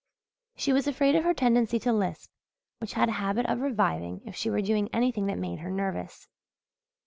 She was afraid of her tendency to lisp, which had a habit of reviving if she were doing anything that made her nervous.